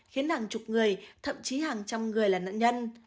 khiến hàng chục người thậm chí hàng trăm người là nạn nhân